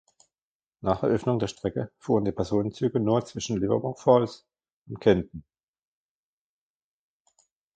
Nach Eröffnung der Strecke fuhren die Personenzüge nur zwischen Livermore Falls und Canton.